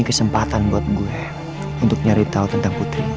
ini kesempatan buat gue untuk nyari tau tentang putrinya